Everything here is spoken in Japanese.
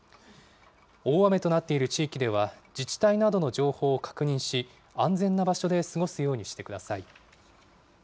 大雨となっている地域では、自治体などの情報を確認し、安全な場所で過ごすようにしてください。